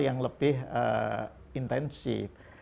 yang lebih intensif